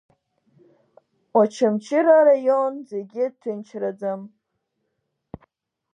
Очамчыра араион зегьы ҭынчраӡам.